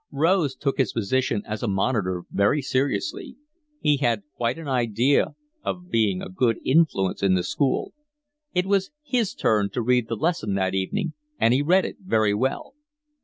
Rose took his position as a monitor very seriously: he had quite an idea of being a good influence in the school; it was his turn to read the lesson that evening, and he read it very well.